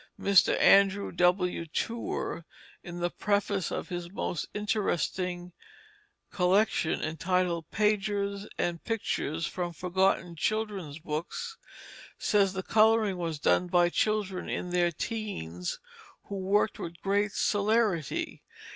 Mr. Andrew W. Tuer, in the preface to his most interesting collection entitled Pages and Pictures from Forgotten Children's Books, says that the coloring was done by children in their teens who worked with great celerity.